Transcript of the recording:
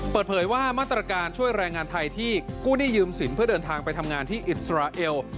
เปิดเผยว่ามาตรการช่วยแรงงานไทยที่กู้หนี้ยืมสินเพื่อเดินทางไปทำงานที่อิสราเอล